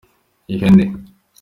ihene.